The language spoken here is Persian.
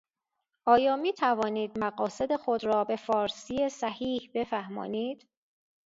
آیامیتوانید مقاصد خود را بفارسی صحیح بفهمانید